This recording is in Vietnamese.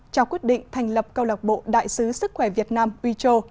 cho quyết định thành lập câu lạc bộ đại sứ sức khỏe việt nam ui chô